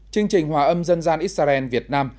chương trình hòa âm dân gian israel việt nam